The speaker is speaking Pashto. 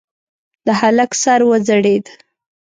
د هلک سر وځړېد.